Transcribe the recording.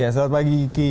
ya selamat pagi kiki